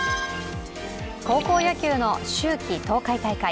高校野球の秋季東海大会。